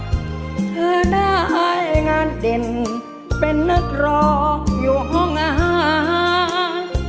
เธอได้งานเด่นเป็นนักรออยู่ห้องอาหาร